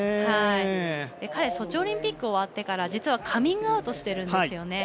彼ソチオリンピック終わってから実はカミングアウトしてるんです。